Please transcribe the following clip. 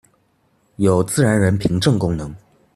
有自然人憑證功能